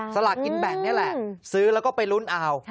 สลากกินแบ่งนี่แหละซื้อแล้วก็ไปลุ้นเอา